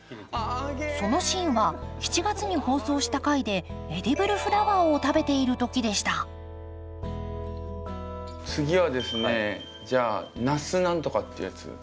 そのシーンは７月に放送した回でエディブルフラワーを食べている時でした次はですねじゃあナス何とかってやつ。